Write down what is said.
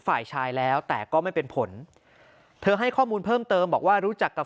ฝ่ายชายแล้วแต่ก็ไม่เป็นผลเธอให้ข้อมูลเพิ่มเติมบอกว่ารู้จักกับ